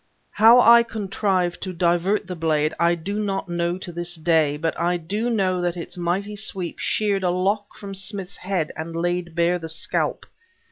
How I contrived to divert the blade, I do not know to this day; but I do know that its mighty sweep sheared a lock from Smith's head and laid bare the scalp.